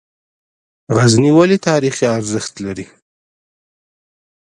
غزني ولې تاریخي ارزښت لري؟